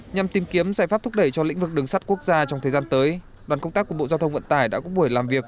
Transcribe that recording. nhằm tìm kiếm giải pháp thúc đẩy cho lĩnh vực đường sắt quốc gia trong thời gian tới đoàn công tác của bộ giao thông vận tải đã có buổi làm việc